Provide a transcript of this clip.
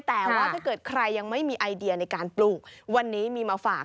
แต่ว่าถ้าเกิดใครยังไม่มีไอเดียในการปลูกวันนี้มีมาฝาก